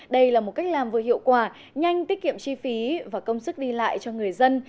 đây là một cách làm vừa hiệu quả nhanh tiết kiệm chi phí và công sức đi lại cho người dân